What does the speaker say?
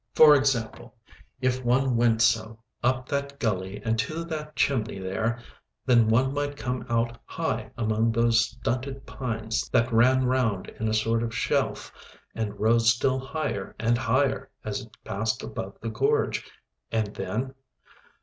For example; if one went so, up that gully and to that chimney there, then one might come out high among those stunted pines that ran round in a sort of shelf and rose still higher and higher as it passed above the gorge. And then?